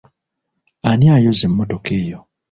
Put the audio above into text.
Ani ayoza emmotoka yo?